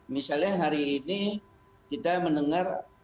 misalnya hari ini kita mendengar